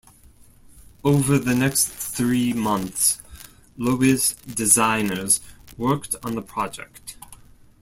Over the next three months, Loewy's designers worked on the project.